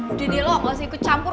udah deh lo gak usah ikut campur